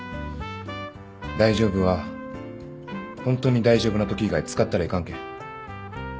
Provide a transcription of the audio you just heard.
「大丈夫」はホントに大丈夫なとき以外使ったらいかんけん